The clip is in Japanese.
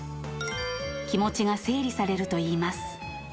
気持ちが整理されるといいます。